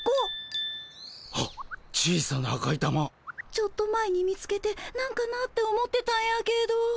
ちょっと前に見つけてなんかなって思ってたんやけど。